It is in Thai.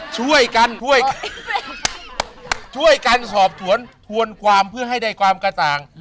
ช่วยกันช่วยกันสอบสวนทวนความเพื่อให้ได้ความกระจ่าง